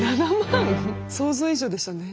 想像以上でしたね。